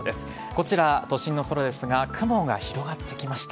こちら、都心の空ですが、雲が広がってきました。